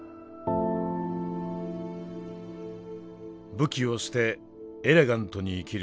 「武器を捨てエレガントに生きる」